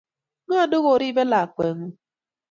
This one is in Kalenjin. Ngo ne ko ripe lakwet ngug?